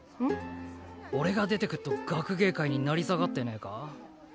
俺が出てくっと学芸会に成り下がってねぇか？